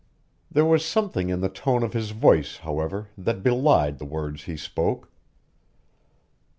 There was something in the tone of his voice, however, that belied the words he spoke.